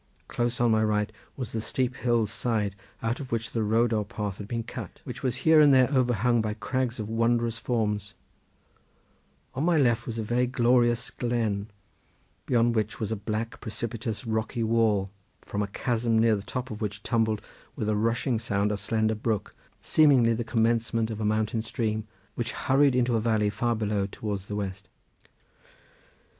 Close on my right was the steep hill's side out of which the road or path had been cut, which was here and there overhung by crags of wondrous forms; on my left was a very deep glen, beyond which was a black, precipitous, rocky wall, from a chasm near the top of which tumbled with a rushing sound a slender brook seemingly the commencement of a mountain stream which hurried into a valley far below towards the west.